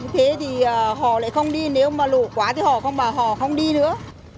thế thì họ lại không đi nếu mà lũ quá thì họ không bảo họ không đi nữa